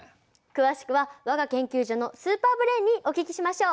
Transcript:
詳しくは我が研究所のスーパーブレーンにお聞きしましょう。